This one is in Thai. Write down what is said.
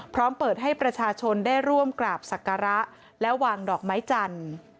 พร้อมเปิดให้ประชาชนได้ร่วมกราบศักระและวางดอกไม้จันทร์